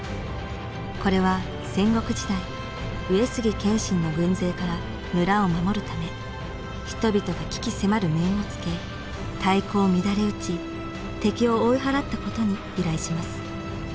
これは戦国時代上杉謙信の軍勢から村を守るため人々が鬼気迫る面をつけ太鼓を乱れ打ち敵を追い払ったことに由来します。